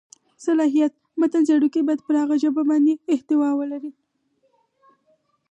صلاحیت: متن څېړونکی باید پر هغه ژبه بشېړه احتوا ولري.